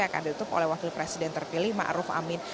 akan ditutup oleh wakil presiden terpilih ma'ruf amin